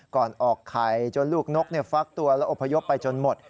ก่อนออกไข่จนลูกนกฟักตัวและอพยพไปจนหมด